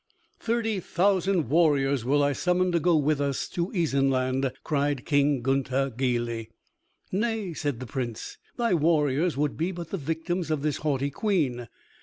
"Thirty thousand warriors will I summon to go with us to Isenland," cried King Gunther gaily. "Nay," said the Prince, "thy warriors would but be the victims of this haughty Queen.